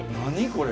これ。